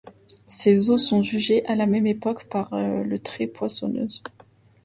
Ses eaux sont jugées à la même époque par le très poissonneuses.